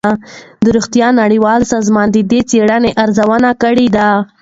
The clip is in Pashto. د روغتیا نړیوال سازمان د دې څېړنو ارزونه کړې ده.